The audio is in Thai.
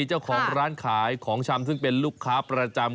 เจ้าของร้านขายของชำซึ่งเป็นลูกค้าประจำ